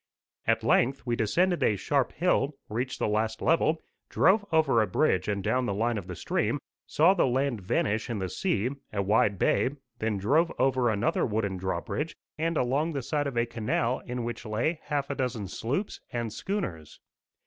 At length we descended a sharp hill, reached the last level, drove over a bridge and down the line of the stream, saw the land vanish in the sea a wide bay; then drove over another wooden drawbridge, and along the side of a canal in which lay half a dozen sloops and schooners.